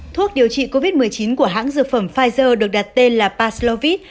thuốc điều trị covid một mươi chín của hãng dược phẩm pfizer được đặt tên là paslovit